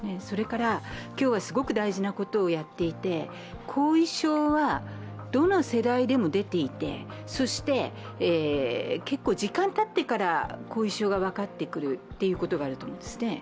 それから、今日はすごく大事なことをやっていて後遺症はどの世代でも出ていて、そして結構時間たってから後遺症が分かってくるということがあると思うんです。